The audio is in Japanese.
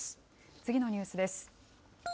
次のニュースです。